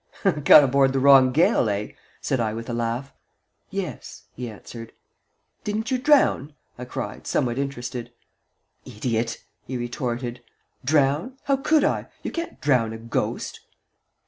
"Got aboard the wrong gale, eh?" said I, with a laugh. "Yes," he answered. "Didn't you drown?" I cried, somewhat interested. "Idiot!" he retorted. "Drown? How could I? You can't drown a ghost!"